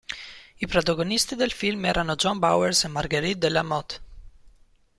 I protagonisti del film erano John Bowers e Marguerite De La Motte.